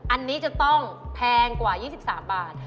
อันนี้จะต้องแพงกว่า๒๓บาท